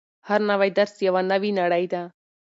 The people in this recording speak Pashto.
هر نوی درس یوه نوې نړۍ ده.